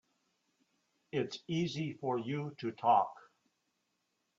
It's easy for you to talk.